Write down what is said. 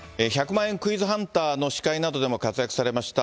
１００万円クイズハンターの司会などで活躍されました